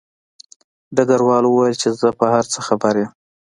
ډګروال وویل چې زه په هر څه خبر یم